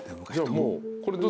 もう。